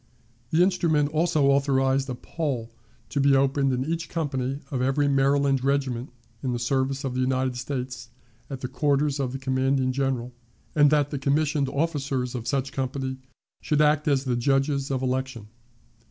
The instrument also authorized a poll to be opened in each company of every Maryland regiment in the service of the United States at the quarters of the commanding officer, and that the commissioned officers of such company should act as the judges of election.